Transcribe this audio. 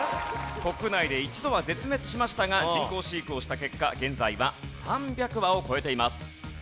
国内で一度は絶滅しましたが人工飼育をした結果現在は３００羽を超えています。